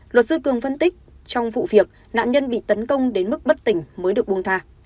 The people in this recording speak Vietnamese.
luật sư cường phân tích trong vụ việc nạn nhân bị tấn công đến mức bất tỉnh mới được buông thà